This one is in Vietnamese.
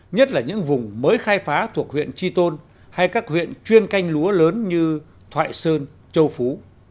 nhất là những vùng mới khai phá thuộc huyện chi tôn hay các huyện chuyên canh lúa lớn như thoại sơn châu phú